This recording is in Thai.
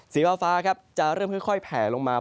สีเว้าฟ้าจะเริ่มค่อยแผลลงมา